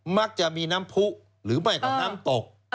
มักจะมีน้ำผู้หรือไม่ก็น้ำตก